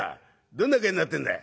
どんな具合になってんだい？」。